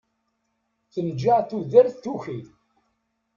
Tenǧeɛ tudert tuki.